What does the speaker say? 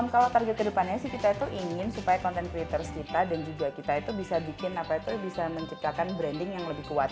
kalau target kedepannya sih kita itu ingin supaya content creators kita dan juga kita itu bisa bikin apa itu bisa menciptakan branding yang lebih kuat